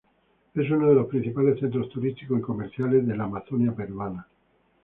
Es uno de los principales centros turísticos y comerciales de la Amazonía peruana.